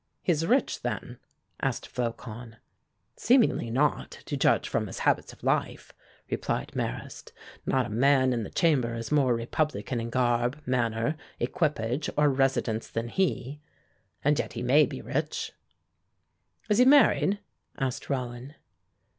"He is rich, then?" asked Flocon. "Seemingly not, to judge from his habits of life," replied Marrast. "Not a man in the Chamber is more Republican in garb, manner, equipage or residence than he, and yet he may be rich." "Is he married?" asked Rollin.